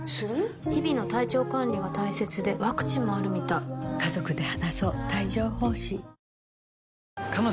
日々の体調管理が大切でワクチンもあるみたい雨。